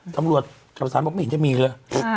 ธรรมโลกศัตรูบอกไม่จนจะมีหรือ